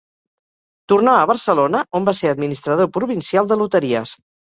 Tornà a Barcelona on va ser administrador provincial de loteries.